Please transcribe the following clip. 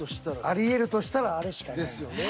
ありえるとしたらあれしかない。ですよね。